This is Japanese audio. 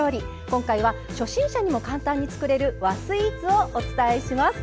今回は初心者にも簡単に作れる和風スイーツをお伝えします。